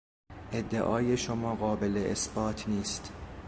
ادعای شما قابل اثبات نیست.